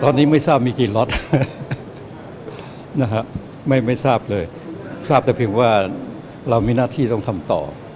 ทอนนี้ไม่ทราบไม่ทราบเลยทราบแต่เพียงว่าเรามีนักธุรกิจต้องทำต่อ